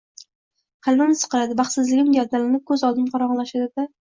qalbim siqiladi, baxtsizligim gavdalanib ko’z oldim qorong’ulashadi-da